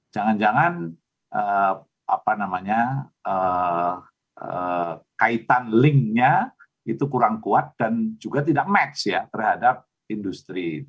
jangan jangan kaitan linknya itu kurang kuat dan juga tidak match ya terhadap industri